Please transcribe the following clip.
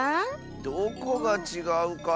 どこがちがうかなあ。